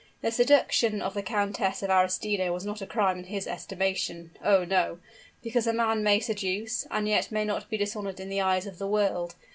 The seduction of the Countess of Arestino was not a crime in his estimation oh! no, because man may seduce, and yet may not be dishonored in the eyes of the world.